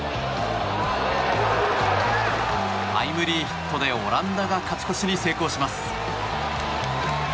タイムリーヒットでオランダが勝ち越しに成功します。